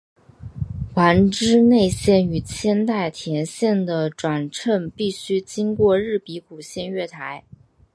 丸之内线与千代田线的转乘必须经过日比谷线月台。